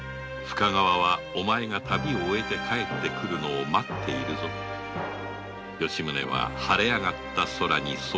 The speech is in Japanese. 深川はお前が旅を終え帰って来るのを待っているぞ吉宗は晴れ上がった空にそう語りかけていた